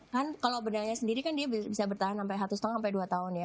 kan kalau benangnya sendiri kan dia bisa bertahan sampai satu lima sampai dua tahun ya